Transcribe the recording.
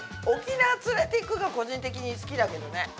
「沖縄つれていく」が個人的に好きだけどね。